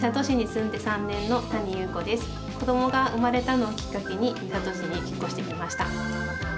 子どもが生まれたのをきっかけに三郷市に引っ越してきました。